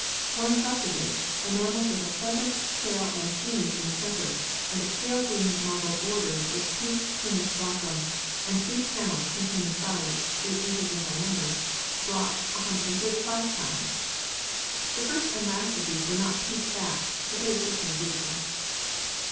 One saucer dish, enamelled with a pheasant, quail and peonies in the centre, and a pale green marble border with pink prunus blossom, and three panels containing flowers, 8 in. in diameter, brought ┬Ż135. The first and last of these were not pink backed, but they were certainly beautiful.